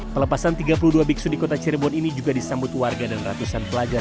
pelepasan tiga puluh dua biksu di kota cirebon ini juga disambut warga dan ratusan pelajar